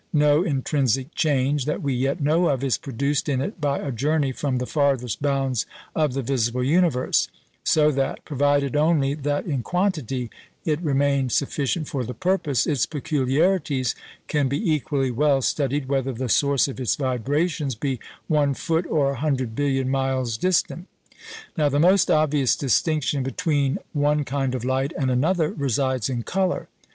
No intrinsic change, that we yet know of, is produced in it by a journey from the farthest bounds of the visible universe; so that, provided only that in quantity it remain sufficient for the purpose, its peculiarities can be equally well studied whether the source of its vibrations be one foot or a hundred billion miles distant. Now the most obvious distinction between one kind of light and another resides in colour.